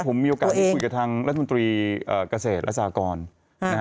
วันนี้ผมมีโอกาสที่คุยกับทางรัฐมนตรีเกษตรรัฐสากรนะฮะ